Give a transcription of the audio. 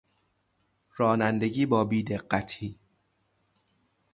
رانندگی با بیدقتی